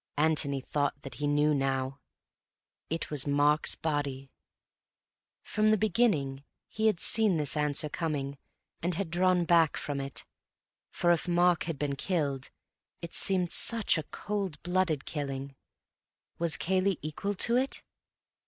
Antony thought that he knew now. It was Mark's body. From the beginning he had seen this answer coming and had drawn back from it. For, if Mark had been killed, it seemed such a cold blooded killing. Was Cayley equal to it?